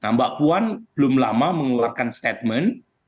nah mbak puan belum lama mengeluarkan statement